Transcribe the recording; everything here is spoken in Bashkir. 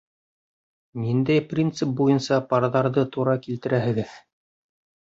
— Ниндәй принцип буйынса парҙарҙы тура килтерәһегеҙ?